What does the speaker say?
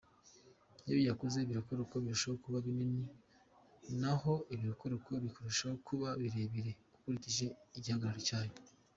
Iyo yakuze, ibirokoroko birushaho kuba binini naho ibikohwa bikarushaho kuba birebire ukurikije igihagararo cyayo.